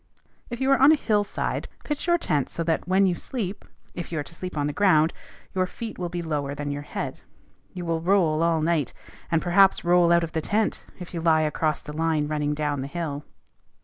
If you are on a hillside, pitch your tent so that when you sleep, if you are to sleep on the ground, your feet will be lower than your head: you will roll all night, and perhaps roll out of the tent if you lie across the line running down hill.